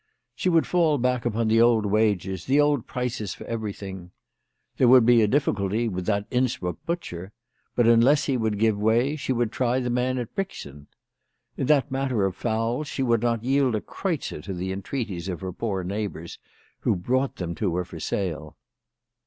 She would fall back upon the old wages, the old prices for everything. There would be a difficulty with that Innsbruck butcher ; but unless he would give way she would try the man at Brixen. In that matter of fowls she would not yield a kreutzer to the entreaties of her poor neighbours who brought them to her for sale.